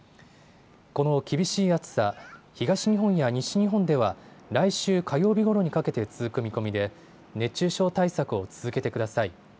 この厳しい暑さ、東日本や西日本では来週火曜日ごろにかけて続く見込みで熱中症対策を続けてください。